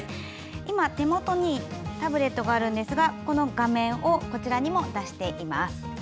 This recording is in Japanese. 今、手元にタブレットがあるんですが、この画面をこちらにも出しています。